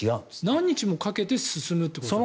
何日もかけて進むということですか。